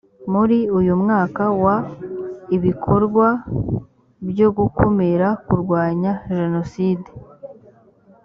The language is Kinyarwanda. muri uyu mwaka wa ibikorwa byo gukumira kurwanya jenoside